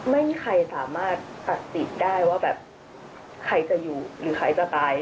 ไม่มีใครสามารถตัดสิทธิ์ได้ว่าแบบใครจะอยู่หรือใครจะตาย